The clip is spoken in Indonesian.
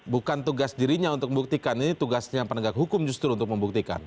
bukan tugas dirinya untuk membuktikan ini tugasnya penegak hukum justru untuk membuktikan